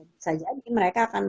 bisa jadi mereka akan